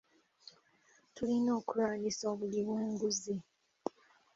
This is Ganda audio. Tulina okulwanyisa obuli bw'enguzi.